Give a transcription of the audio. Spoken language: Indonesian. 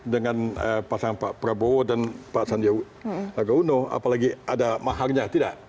dengan pasangan pak prabowo dan pak sandiaga uno apalagi ada mahalnya tidak